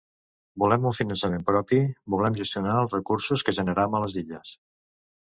Volem un finançament propi, volem gestionar els recursos que generam a les illes.